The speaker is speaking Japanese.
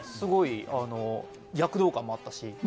すごい躍動感もあったし。